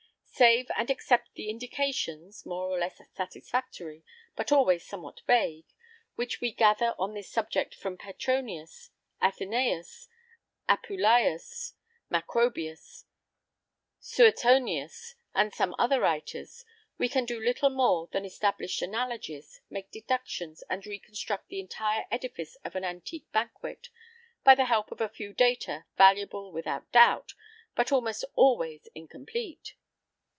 Save and except the indications more or less satisfactory, but always somewhat vague which we gather on this subject from Petronius, Athenæus, Apuleius, Macrobius, Suetonius, and some other writers, we can do little more than establish analogies, make deductions, and reconstruct the entire edifice of an antique banquet by the help of a few data, valuable, without doubt, but almost always incomplete.